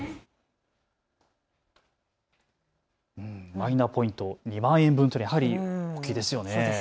マイナポイント２万円分というのはやはり大きいですよね。